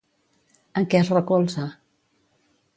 En què es recolza?